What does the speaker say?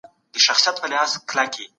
تاسو بايد د خپلو پلرونو فکري بهير وڅېړئ.